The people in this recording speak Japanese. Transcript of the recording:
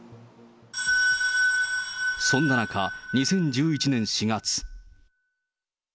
そんな中、２０１１年４月。